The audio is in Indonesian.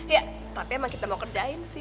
ya tapi emang kita mau kerjain sih